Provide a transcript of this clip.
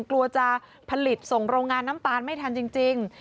กลัวจะผลิตส่งโรงงานน้ำตาลไม่ทันจริง